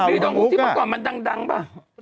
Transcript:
ฟีร์ดองฮุกที่มาก่อนมันดังป่ะ